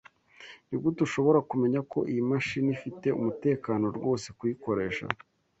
Nigute ushobora kumenya ko iyi mashini ifite umutekano rwose kuyikoresha?